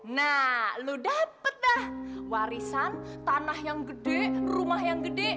nah lo dapat dah warisan tanah yang gede rumah yang gede